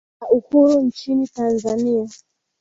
la uhuru nchini tanzania